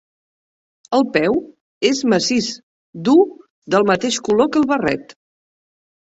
El peu és massís, dur, del mateix color que el barret.